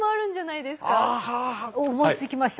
思いつきました。